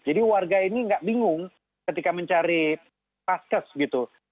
jadi warga ini gak bingung ketika mencari paskes gitu